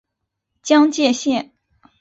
江界线